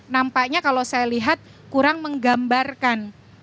nampaknya kalau saya lihat kurang menggambarkan